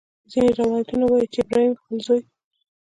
ځینې روایتونه وایي چې ابراهیم خپل زوی.